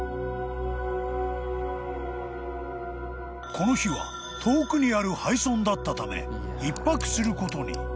［この日は遠くにある廃村だったため一泊することに］